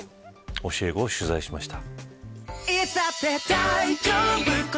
教え子を取材しました。